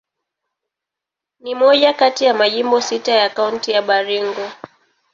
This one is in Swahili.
Ni moja kati ya majimbo sita ya Kaunti ya Baringo.